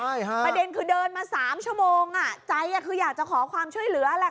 ใช่ค่ะประเด็นคือเดินมา๓ชั่วโมงอ่ะใจคืออยากจะขอความช่วยเหลือแหละ